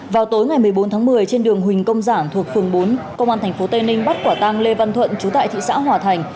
vào tối ngày một mươi bốn tháng một mươi trên đường huỳnh công giảng thuộc phường bốn công an tp tây ninh bắt quả tang lê văn thuận trú tại thị xã hòa thành